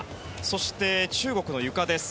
そして、中国のゆかです。